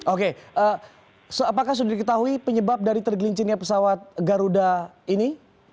oke apakah sudah diketahui penyebab dari tergelincirnya pesawat garuda ini